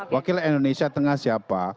wakil indonesia tengah siapa